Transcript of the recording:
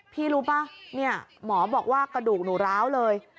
พี่รู้ป่ะหมอบอกว่ากระดูกหนูร้าวเลย